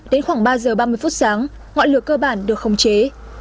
đến khoảng ba giờ ba mươi phút sáng ngọn lửa cơ bản được khống chế